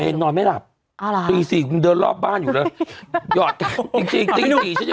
เป็นนอนไม่หลับอ้าวเหรอตีสี่คุณเดินรอบบ้านอยู่แล้วหยอดกันจริงจริงตีสี่